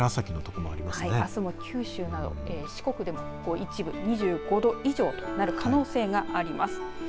はい、あすも九州など四国でも一部２５度以上となる可能性があります。